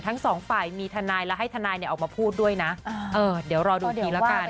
ทั้ง๒ฝ่ายมีธนัยแล้วให้ธนายออกมาพูดด้วยนะเดี๋ยวรอดูกันกี่แล้วกัน